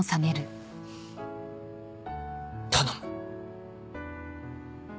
頼む。